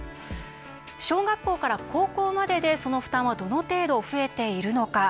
小学校から高校まででその負担はどの程度増えているのか。